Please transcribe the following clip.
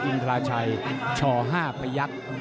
อินทราชัยช๕พยักษ์